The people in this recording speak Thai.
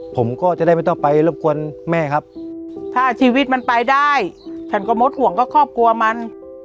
ผมก็จะได้ไม่ต้องไปรบกวนแม่ครับถ้าชีวิตมันไปได้ฉันก็มดห่วงก็ครอบครัวมัน